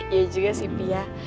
iya juga sih pia